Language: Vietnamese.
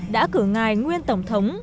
đã cử ngài nguyên tổng thống